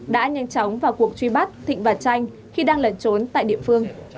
đã nhanh chóng vào cuộc truy bắt thịnh và tranh khi đang lẩn trốn tại địa phương